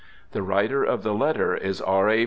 The writer of the letter is R. A.